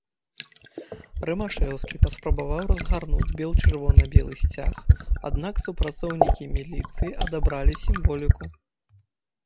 Рымашэўскі паспрабаваў разгарнуць бел-чырвона-белы сцяг, аднак супрацоўнікі міліцыі адабралі сімволіку.